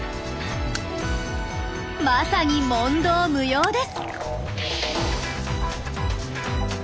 まさに問答無用です。